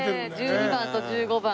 １２番と１５番。